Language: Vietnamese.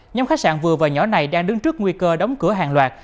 nhóm khách sạn vừa và nhỏ này đang đứng trước nguy cơ đóng cửa hàng loạt